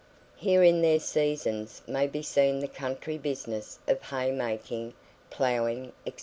Here in their seasons may be seen the country business of hay making, ploughing, &c.